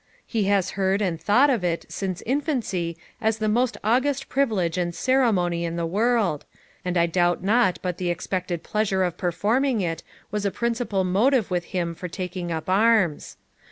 He has heard and thought of it since infancy as the most august privilege and ceremony in the world; and I doubt not but the expected pleasure of performing it was a principal motive with him for taking up arms.